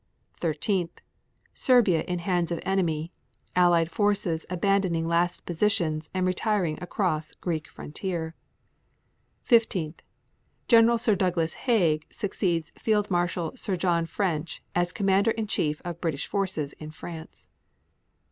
13. Serbia in hands of enemy, Allied forces abandoning last positions and retiring across Greek frontier. 15. Gen. Sir Douglas Haig succeeds Field Marshal Sir John French as Commander in Chief of British forces in France.